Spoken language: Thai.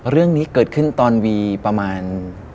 เรื่องนี้เกิดขึ้นตอนวีประมาณ